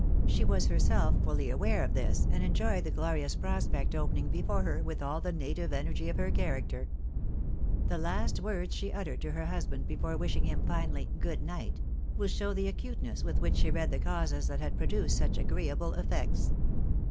She was herself fully aware of this, and enjoyed the glorious prospect opening before her with all the native energy of her character. The last words she uttered to her husband before wishing him finally " good night," will show the acuteness with which she read the causes that had produced such agreeable effects.